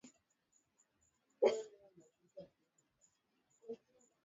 Tumia kisu kukata viazi lishe katika vipande vidogo vidogo